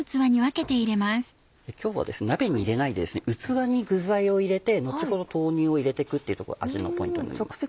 今日は鍋に入れないで器に具材を入れて後ほど豆乳を入れて行くとこが味のポイントになります。